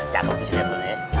jago disini aku ya